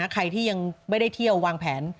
ใครที่ยังไม่ได้เที่ยววางแผน